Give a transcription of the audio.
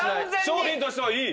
商品としてはいい。